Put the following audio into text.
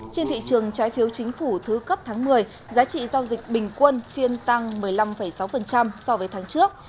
trên thị trường trái phiếu chính phủ thứ cấp tháng một mươi giá trị giao dịch bình quân phiên tăng một mươi năm sáu so với tháng trước